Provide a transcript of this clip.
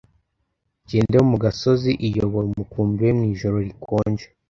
Gander yo mu gasozi iyobora umukumbi we mu ijoro rikonje,